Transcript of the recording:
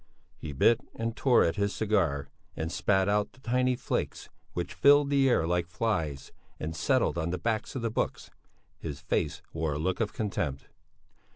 He bit and tore at his cigar and spat out the tiny flakes which filled the air like flies and settled on the backs of the books. His face wore a look of contempt.